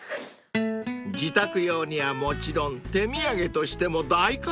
［自宅用にはもちろん手土産としても大活躍］